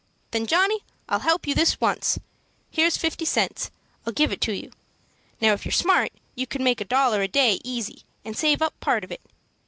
"Then, Johnny, I'll help you this once. Here's fifty cents; I'll give it to you. Now, if you're smart you can make a dollar a day easy, and save up part of it.